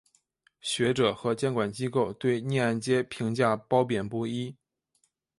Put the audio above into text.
学者和监管机构对逆按揭评价褒贬不一。